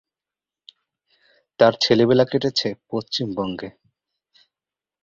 তার ছেলেবেলা কেটেছে পশ্চিমবঙ্গে।